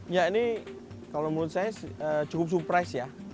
ya ini kalau menurut saya cukup surprise ya